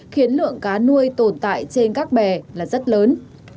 khiến lượng cá nuôi tồn tại trên các bè là rất lớn